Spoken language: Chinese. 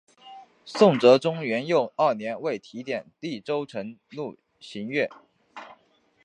宋哲宗元佑二年为提点利州成都路刑狱。